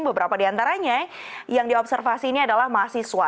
beberapa di antaranya yang diobservasi ini adalah mahasiswa